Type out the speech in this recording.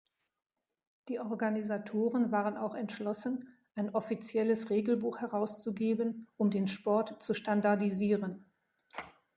Die Organisatoren waren auch entschlossen, ein offizielles Regelbuch herauszugeben, um den Sport zu standardisieren.